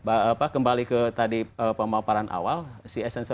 apa kembali ke tadi pemaparan awal si es